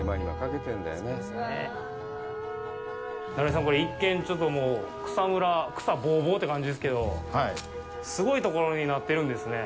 成井さん、これ、一見、ちょっともう草むら、草ぼうぼうって感じですけど、すごいところになってるんですね。